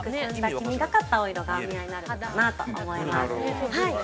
黄みがかったお色がお似合いになるのかなと思います。